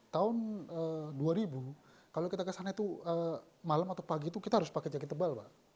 tahun dua ribu kalau kita kesana itu malam atau pagi itu kita harus pakai jaket tebal pak